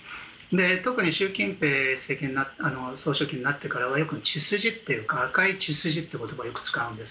特に習近平総書記になってからはよく血筋という紅い血筋という言葉をよく使うんです。